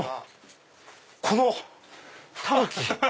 このタヌキ